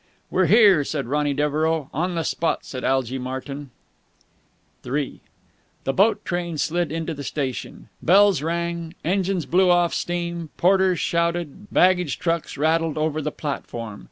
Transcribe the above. "We're here!" said Ronny Devereux. "On the spot!" said Algy Martyn. III The boat train slid into the station. Bells rang, engines blew off steam, porters shouted, baggage trucks rattled over the platform.